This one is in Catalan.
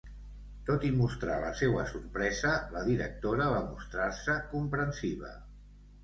Tot i mostrar la seua sorpresa, la directora va mostrar-se comprensiva.